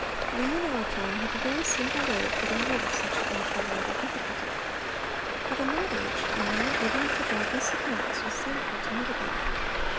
We, in our time, have a very simple way of getting rid of such an intolerable difficulty. But in that age a man even of the boldness of Knox was thankful to mitigate it.